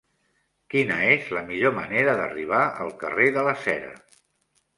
Quina és la millor manera d'arribar al carrer de la Cera?